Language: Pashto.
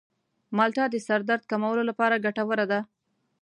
مالټه د سر درد کمولو لپاره ګټوره ده.